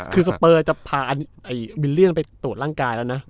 คือสเปอร์จะพาวิลเลี่ยงไปตรวจร่างกายแล้วนะ